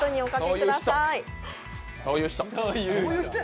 そういう人。